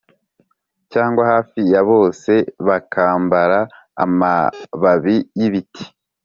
cyangwa hafi ya bose bakambara amababi y’ibiti